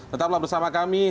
tetaplah bersama kami